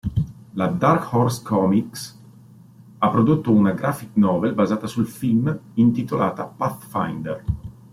La Dark Horse Comics ha prodotto una graphic novel basata sul film, intitolata "Pathfinder".